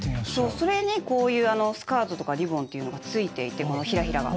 それにこういうスカートとかリボンっていうのがついていてこのひらひらが。